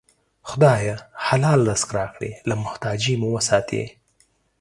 خدایه! حلال رزق راکړې، له محتاجۍ مو وساتې